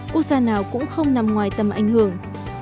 quốc gia nào cũng không nằm ngoài tầm ảnh hưởng